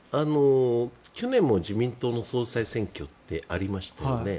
去年も自民党の総裁選挙ってありましたよね。